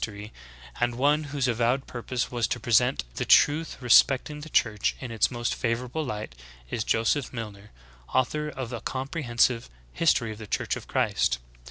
M tory, and one whose avowed purpose was to present the truth respecting the Church in its most favorable Hght, is Joseph Alilner, author of a comprehensive "History of the Church of Christ."